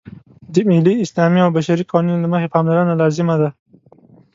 د ملي، اسلامي او بشري قوانینو له مخې پاملرنه لازمه ده.